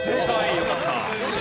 よかった。